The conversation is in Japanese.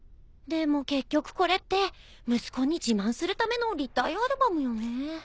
でも結局これって息子に自慢するための立体アルバムよね。